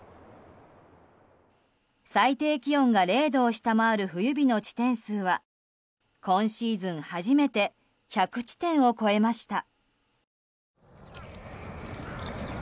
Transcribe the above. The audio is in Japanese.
最低気温が０度を下回る冬日の地点数は今シーズン初めて１００地点を超えました。